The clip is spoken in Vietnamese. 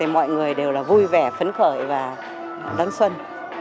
mọi người đều là vui vẻ phấn khởi và đón xuân